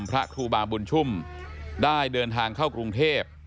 พระครูบาบุญชุ่มได้เดินทางเข้ากรุงเทพ